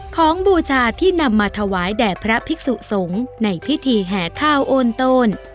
บูชาที่นำมาถวายแด่พระภิกษุสงฆ์ในพิธีแห่ข้าวโอนโตน